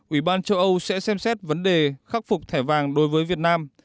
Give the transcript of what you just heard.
ủy ban châu âu sẽ xem xét vấn đề khắc phục thẻ vàng đối với việt nam